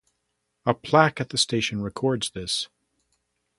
A plaque at the station records this.